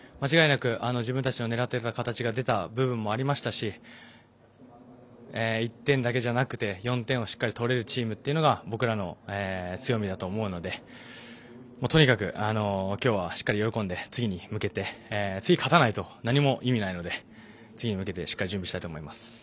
間違いなく自分たちの狙ってた形が出た部分もありましたし１点だけじゃなくて４点をしっかり取れるチームというのが僕らの強みだと思うのでとにかく今日はしっかり喜んで次に向けて、次、勝たないと何も意味ないので次に向けてしっかり準備したいと思います。